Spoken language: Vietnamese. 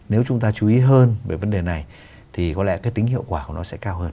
nếu chúng ta chú ý hơn về vấn đề này thì có lẽ cái tính hiệu quả của nó sẽ cao hơn